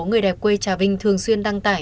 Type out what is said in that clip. người đẹp quê trà vinh thường xuyên đăng tải